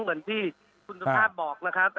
เหมือนที่คุณสุภาพบอกนะครับ